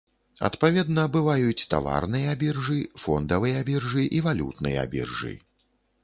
Адпаведна бываюць таварныя біржы, фондавыя біржы і валютныя біржы.